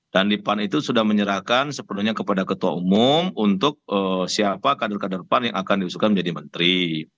dan dipan itu sudah menyerahkan sepenuhnya kepada ketua umum untuk siapa kader kader pan yang akan diusulkan menjadi menteri